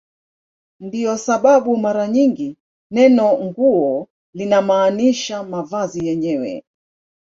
Ndiyo sababu mara nyingi neno "nguo" linamaanisha mavazi yenyewe.